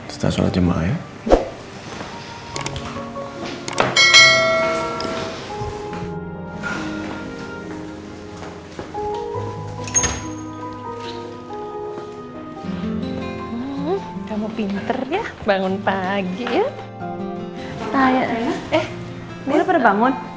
eh kamu udah bangun